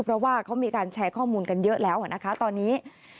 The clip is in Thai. เพราะว่าเขามีการแชร์ข้อมูลกันเยอะแล้วนะคะตอนนี้